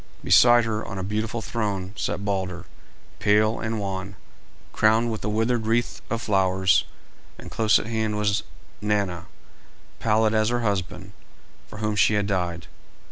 Beside her, on a beautiful throne, sat Balder, pale and wan, crowned with a withered wreath of flowers, and close at hand was Nanna, pallid as her husband, for whom she had died.